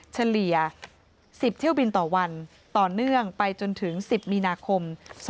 เฉลี่ย๑๐เที่ยวบินต่อวันต่อเนื่องไปจนถึง๑๐มีนาคม๒๕๖